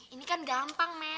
ini kan gampang men